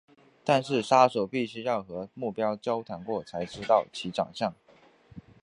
但是杀手必须要和目标交谈过才能知道其长相。